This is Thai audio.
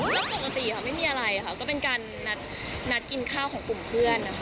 เรื่องปกติค่ะไม่มีอะไรค่ะก็เป็นการนัดกินข้าวของกลุ่มเพื่อนนะคะ